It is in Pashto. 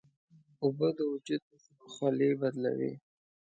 اوبه د وجود خولې بدلوي.